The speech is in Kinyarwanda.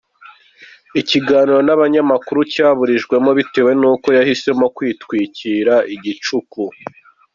Ikiganiro n’abanyamakuru cyaburijwemo bitewe n’uko yahisemo kwitwikira igicuku.